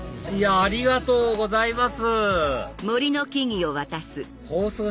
ありがとうございます。